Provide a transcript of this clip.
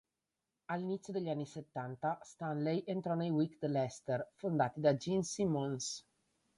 All'inizio degli anni settanta, Stanley entrò nei Wicked Lester, fondati da Gene Simmons.